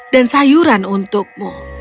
dan sayuran untukmu